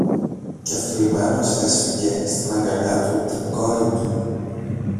και θλιμμένος έσφιγγε στην αγκαλιά του την κόρη του